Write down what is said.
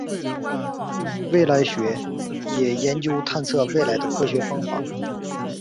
未来学也研究预测未来的科学方法。